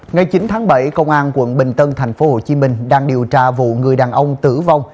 ngày chín tháng bảy công an quận bình tân tp hcm đang điều tra vụ người đàn ông tử vong